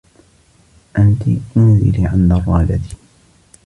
أنتِ، انزلي عن درّاجتي.